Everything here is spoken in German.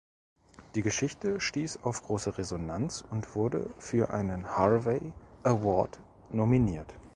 Die Geschichte stieß auf große Resonanz und wurde für einen Harvey Award nominiert.